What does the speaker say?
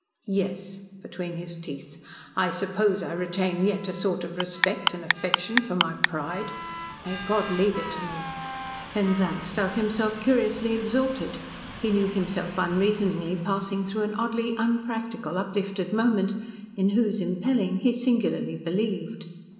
"Yes," between his teeth. "I suppose I retain yet a sort of respect and affection for my pride. May God leave it to me!" Penzance felt himself curiously exalted; he knew himself unreasoningly passing through an oddly unpractical, uplifted moment, in whose impelling he singularly believed.